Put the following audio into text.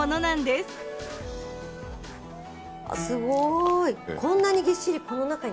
すごい。